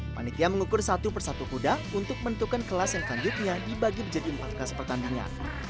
panitia mengukur satu persatu kuda untuk menentukan kelas yang selanjutnya dibagi menjadi empat kelas pertandingan